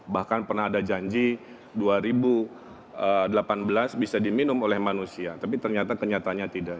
bahkan pernah ada janji dua ribu delapan belas bisa diminum oleh manusia tapi ternyata kenyataannya tidak